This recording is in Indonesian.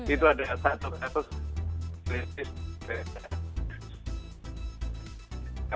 itu ada satu satunya